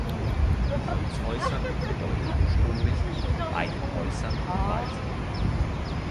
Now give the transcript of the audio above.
Holzhäusern bedeutet Ursprünglich «bei den Häusern am Wald».